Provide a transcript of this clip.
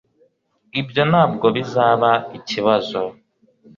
ibyo ntabwo bizaba ikibazo